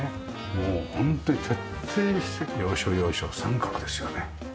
もうホントに徹底して要所要所三角ですよね。